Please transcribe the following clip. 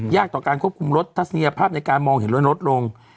ยากกับการควบคุมรถทัศนียภาพในการเห็นรถลง